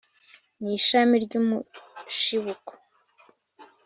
Ni ishami ry'umushibuko